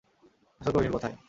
আসল কহিনূর কোথায়?